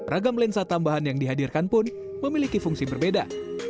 ragam lensa tambahan yang dihadirkan pun memiliki fungsi berbeda